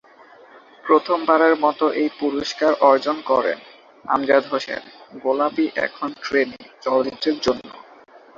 প্রথমবারের মত এই পুরস্কার অর্জন করেন আমজাদ হোসেন "গোলাপী এখন ট্রেনে" চলচ্চিত্রের জন্য।